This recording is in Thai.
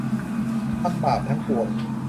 ทำบาปทั้งปวง